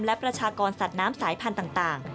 และประชากรสัตว์น้ำสายพันธุ์ต่าง